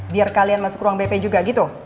biar kalian masuk ruang bp juga gitu